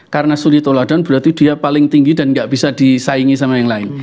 karena suri toladan berarti dia paling tinggi dan gak bisa disaingi sama yang lain